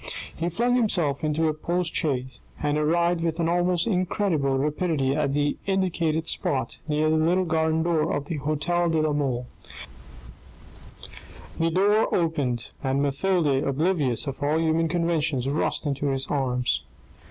He flung himself into a post chaise, and arrived with an almost incredible rapidity at the indicated spot, near the little garden door of the hotel de la Mole. The door opened, and Mathilde, oblivious of all human conventions, rushed into his arms.